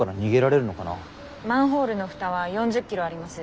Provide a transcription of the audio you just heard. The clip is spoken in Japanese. マンホールの蓋は４０ｋｇあります。